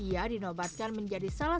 ia dinobatkan menjadi saluran